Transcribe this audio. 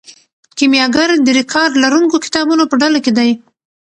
کیمیاګر د ریکارډ لرونکو کتابونو په ډله کې دی.